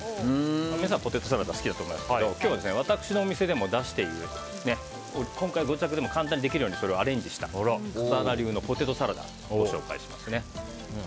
皆さん、ポテトサラダ好きだと思いますけど今日は私のお店でも出しているご自宅でも簡単にできるようにアレンジした笠原流のポテトサラダをご紹介します。